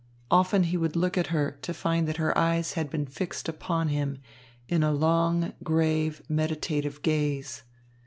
Often he would look at her to find that her eyes had been fixed upon him in a long, grave, meditative gaze.